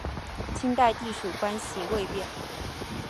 清代隶属关系未变。